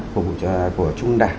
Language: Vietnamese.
của trung ương đại